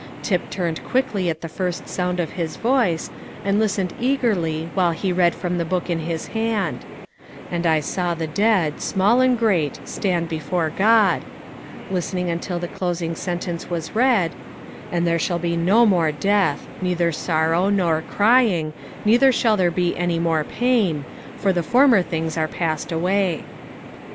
Tip turned quickly at the first sound of his voice, and listened eagerly while he read from the book in his hand, "And I saw the dead, small and great, stand before God," listening until the closing sentence was read, "And there shall be no more death; neither sorrow, nor crying, neither shall there be any more pain, for the former things are passed away."